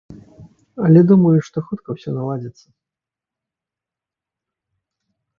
Але думаю, што хутка ўсё наладзіцца.